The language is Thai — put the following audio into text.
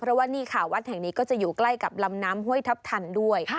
เพราะว่านี่ค่ะวัดแห่งนี้ก็จะอยู่ใกล้กับลำน้ำห้วยทัพทันด้วย